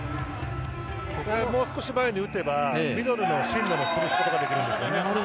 そこのもう少し前に打てばミドルも潰すことができるんですよね。